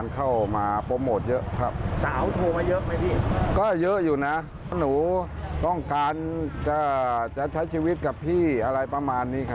เพราะว่าต้องการจะใช้ชีวิตกับพี่อะไรประมาณนี้ครับ